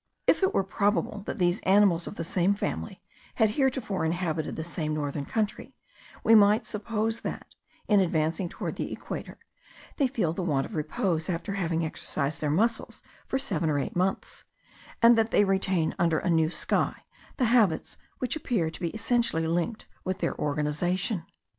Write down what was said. If it were probable that these animals of the same family had heretofore inhabited the same northern country, we might suppose that, in advancing towards the equator, they feel the want of repose after having exercised their muscles for seven or eight months, and that they retain under a new sky the habits which appear to be essentially linked with their organization.